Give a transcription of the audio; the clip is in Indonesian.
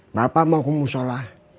bapak mau ke musyola